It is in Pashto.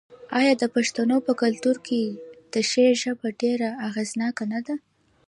آیا د پښتنو په کلتور کې د شعر ژبه ډیره اغیزناکه نه ده؟